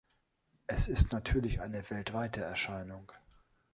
Es ist natürlich eine weltweite Erscheinung.